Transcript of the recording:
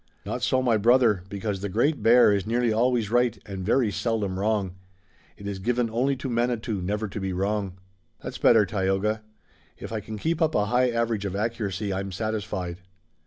"Not so, my brother, because the Great Bear is nearly always right and very seldom wrong. It is given only to Manitou never to be wrong." "That's better, Tayoga. If I can keep up a high average of accuracy I'm satisfied."